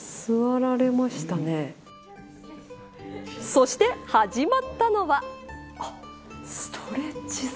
そして始まったのは。